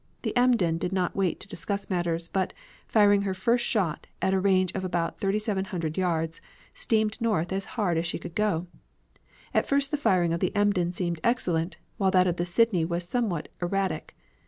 The Emden did not wait to discuss matters, but, firing her first shot at a range of about 3,700 yards, steamed north as hard as she could go. At first the firing of the Emden seemed excellent, while that of the Sydney was somewhat erratic.